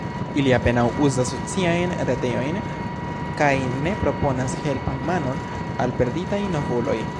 Ili apenaŭ uzas sociajn retejojn kaj ne proponas helpan manon al perditaj novuloj.